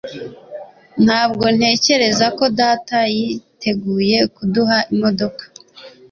ntabwo ntekereza ko data yiteguye kuduha imodoka